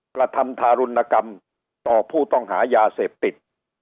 กระทำทารุณกรรมต่อผู้ต้องหายาเสพติด